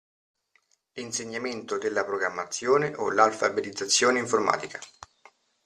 L'insegnamento della programmazione o l'alfabetizzazione informatica.